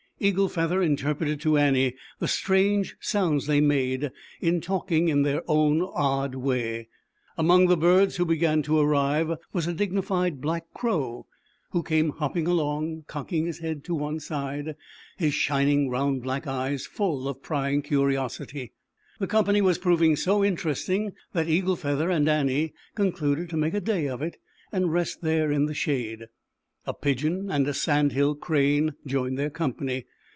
Eagle Feather interpreted to Annie the strange sounds they made in talking in their own odd way. JL ^ 7 , Among the birds who began to arrive was a dignified Black Crow, who came o J ZAUBERLINDA, THE WISE WITCH. 217 hopping along, cocking his head to one side, his shining round black eyes full of prying curiosity. The company was proving so interest ing that Eagle Feather and Annie con cluded to make a day of it and rest there in the shade. A Pigeon and a Sand Hill Crane joined their company.